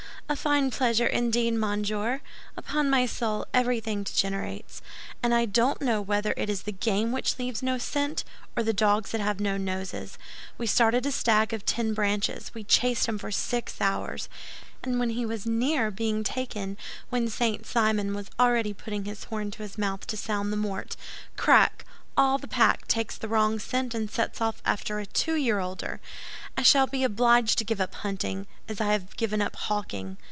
"A fine pleasure, indeed, monsieur! Upon my soul, everything degenerates; and I don't know whether it is the game which leaves no scent, or the dogs that have no noses. We started a stag of ten branches. We chased him for six hours, and when he was near being taken—when St. Simon was already putting his horn to his mouth to sound the halali—crack, all the pack takes the wrong scent and sets off after a two year older. I shall be obliged to give up hunting, as I have given up hawking.